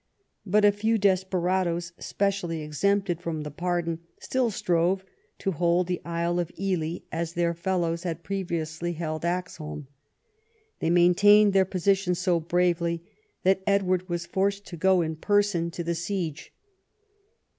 But a few desperadoes, specially exempted from the pardon, still strove to hold the Isle of Ely as their fellows had previously held Axholme. They maintained their posi tion so bravely that Edward was forced to go in person n EDWARD AND THE BARONS' WARS 43 to the siege.